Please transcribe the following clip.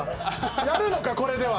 やるのかこれでは。